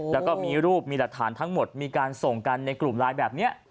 แล้วก็มีรูปมีหลักฐานทั้งหมดมีการส่งกันในกลุ่มไลน์แบบนี้